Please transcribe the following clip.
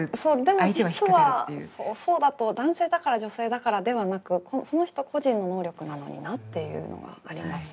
でも実はそうだと男性だから女性だからではなくその人個人の能力なのになっていうのはありますね。